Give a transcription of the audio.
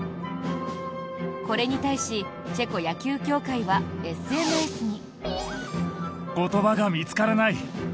これに対しチェコ野球協会はＳＮＳに。